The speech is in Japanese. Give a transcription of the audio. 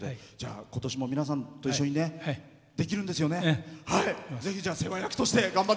ことしも皆さんと一緒にできるんですよね。